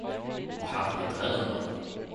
Hvor har du bedrevet mig